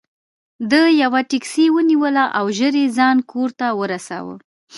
ده یوه ټکسي ونیوله او ژر یې ځان کور ته ورساوه.